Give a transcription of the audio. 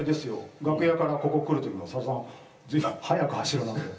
楽屋からここ来るときさださん、ずいぶん速く走るなって思って。